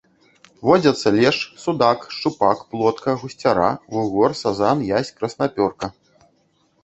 Водзяцца лешч, судак, шчупак, плотка, гусцяра, вугор, сазан, язь, краснапёрка.